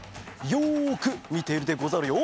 よくみてるでござるよ。